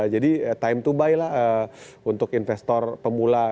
jadi time to buy lah untuk investor pemula